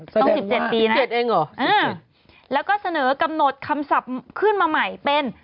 ต้องสิบเจ็ดปีนะสิบเจ็ดเองเหรออืมแล้วก็เสนอกำหนดคำศัพท์ขึ้นมาใหม่เป็น